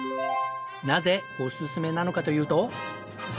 なぜおすすめなのかというと。